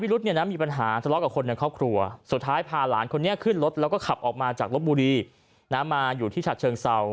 แล้วก็ขับออกมาจากรถบุรีมาอยู่ที่ฉัดเชิงเซา